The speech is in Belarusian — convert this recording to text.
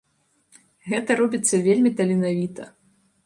Гэта робіцца вельмі таленавіта.